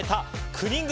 ９人組